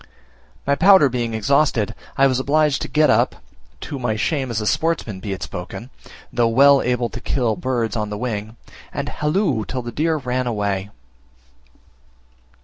My powder being exhausted, I was obliged to get up (to my shame as a sportsman be it spoken, though well able to kill birds on the wing) and halloo till the deer ran away.